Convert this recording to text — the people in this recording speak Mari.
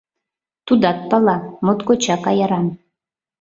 Тудат пала: моткочак аяран.